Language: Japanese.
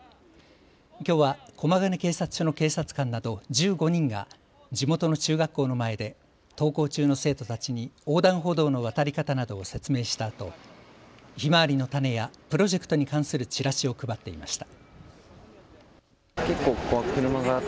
きょうは駒ヶ根警察署の警察官など１５人が地元の中学校の前で登校中の生徒たちに横断歩道の渡り方などを説明したあとひまわりの種やプロジェクトに関するチラシを配っていました。